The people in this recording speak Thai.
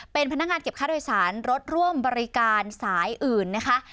เป็นพนักงานเก็บค่าโดยสารรถร่วมบริการสายอื่นนะคะ